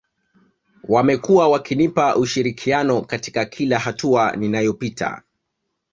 Wamekuwa wakinipa ushirikiano katika kila hatua ninayopitia